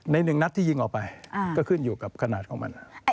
หนึ่งนัดที่ยิงออกไปก็ขึ้นอยู่กับขนาดของมัน